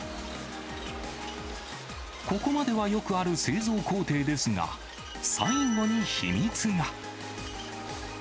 ここまではよくある製造工程ですが、最後に秘密が。